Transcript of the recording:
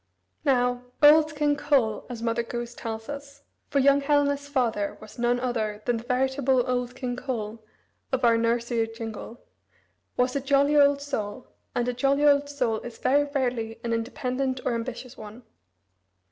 Now, "old King Cole," as Mother Goose tells us for young Helena's father was none other than the veritable "old King Cole" of our nursery jingle was a "jolly old soul," and a jolly old soul is very rarely an independent or ambitious one.